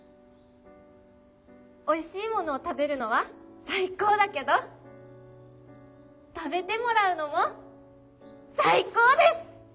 おいしいものを食べるのは最高だけど食べてもらうのも最高です！